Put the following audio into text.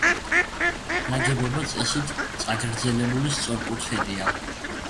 ნაგებობა წესით წაგრძელებული სწორკუთხედია.